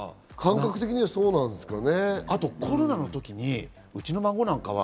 感覚的にはそうなんですかね。